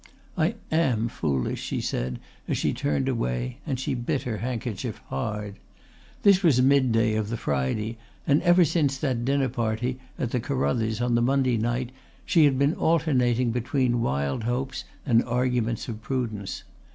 "I am foolish," she said as she turned away, and she bit her handkerchief hard. This was midday of the Friday and ever since that dinner party at the Carruthers' on the Monday night she had been alternating between wild hopes and arguments of prudence.